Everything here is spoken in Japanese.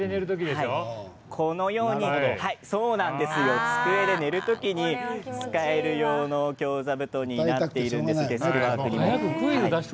このように机で寝る時に使える用の京座布団になっているんです。